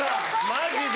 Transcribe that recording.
マジで！